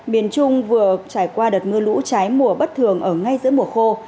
miền trung vừa trải qua đợt mưa lũ trái mùa bất thường ở ngay giữa mùa khô